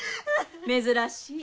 珍しい。